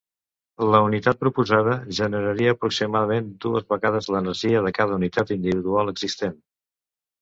La unitat proposada generaria aproximadament dues vegades l'energia de cada unitat individual existent.